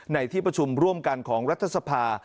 ในที่ประชุมร่วมกันของรัฐสภา